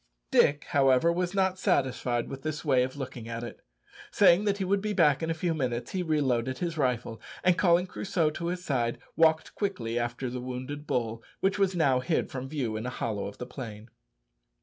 Dick, however, was not satisfied with this way of looking at it. Saying that he would be back in a few minutes, he reloaded his rifle, and calling Crusoe to his side, walked quickly after the wounded bull, which was now hid from view in a hollow of the plain.